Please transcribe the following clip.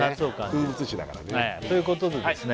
風物詩だからねということでですね